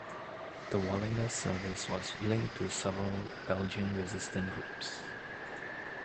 The Wallinger service was linked to several Belgian resistance groups.